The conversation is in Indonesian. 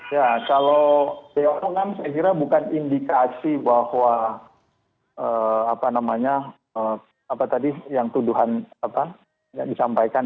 ya kalau beliau kan saya kira bukan indikasi bahwa apa namanya apa tadi yang tuduhan apa yang disampaikan